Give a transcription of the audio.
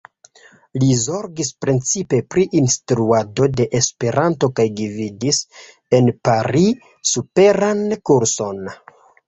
Li zorgis precipe pri instruado de Esperanto kaj gvidis en Paris superan kurson.